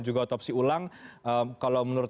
juga otopsi ulang kalau menurut